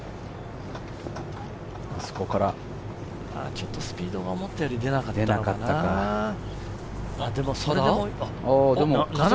ちょっとスピードが思ったより出なかったかな。